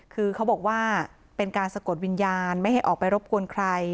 คือเขาบอกว่าเป็นการสะกดวิญญาณไม่ให้ออกไปรบกวนใคร